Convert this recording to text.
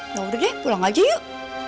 ya udah deh pulang aja yuk